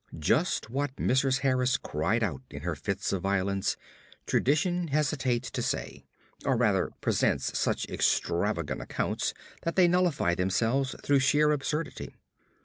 Just what Mrs. Harris cried out in her fits of violence, tradition hesitates to say; or rather, presents such extravagant accounts that they nullify themselves through sheer absurdity.